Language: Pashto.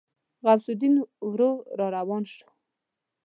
غوث الدين ورو روان شو.